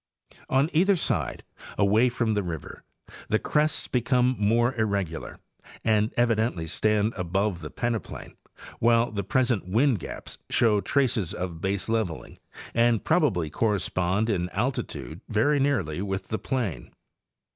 On either side, away from the river, the crests become more irregular, and evidently stand above the peneplain, while the present wind gaps show traces of baseleveling, and probably correspond in altitude very nearly with the plain.